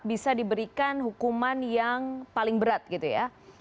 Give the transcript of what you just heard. bisa diberikan hukuman yang paling berat gitu ya